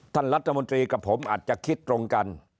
ท่านรัฐมนตรีกับผมอาจจะคิดตรงกัน